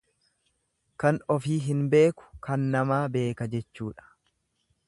Kan ofii hin beeku kan namaa beeka jechuudha.